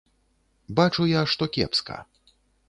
Бачу я, што кепска.